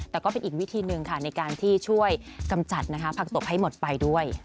แต่ก็เป็นอีกวิธีหนึ่งค่ะในการที่ช่วยกำจัดผักตบให้หมดไปด้วย